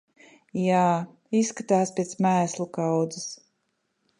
Jā, izskatās pēc mēslu kaudzes.